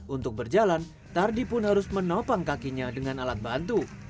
untuk berjalan tardi pun harus menopang kakinya dengan alat bantu